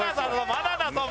まだだぞ！